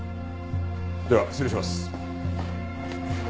では失礼します。